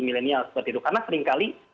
milenial seperti itu karena seringkali